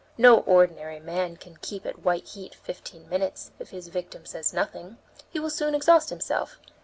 No ordinary man can keep at white heat fifteen minutes; if his victim says nothing, he will soon exhaust himself.